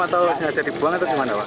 atau sinyasa dibuang atau gimana